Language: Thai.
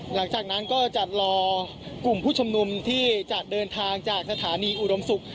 หลังจากนั้นก็จะรอกลุ่มผู้ชมนุมที่จะเดินทางจากสถานีอุดมศุกร์